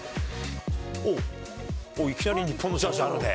おー、いきなり日本のジャージあるね。